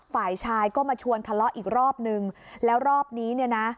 ฝ่ายชายก็มาชวนทะเลาะอีกรอบนึงแล้วรอบนี้เนี่ยนะ